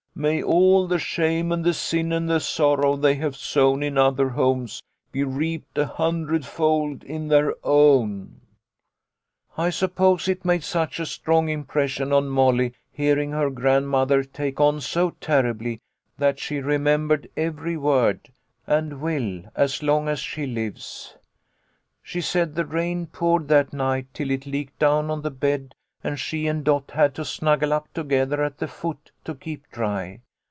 May all the shame and the sin and the sorrow they have sown in other homes be reaped a hundredfold in their own !' "I suppose it made such a strong impression on Molly, hearing her grandmother take on so terribly, MOLLY'S STORY. 85 that she remembered every word, and will as long as she lives. She said the rain poured that night till it leaked down on the bed, and she and Dot had to snuggle up together at the foot, to keep dry.